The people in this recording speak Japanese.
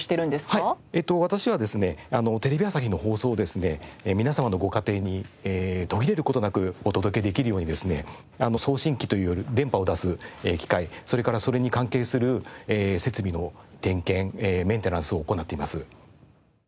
私はですねテレビ朝日の放送をですね皆様のご家庭に途切れる事なくお届けできるようにですね送信機という電波を出す機械それからそれに関係する設備の点検メンテナンスを行っています。